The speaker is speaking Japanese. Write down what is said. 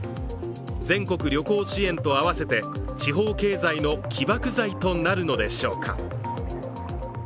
全国旅行支援と合わせて地方経済の起爆剤となるのでしょうか。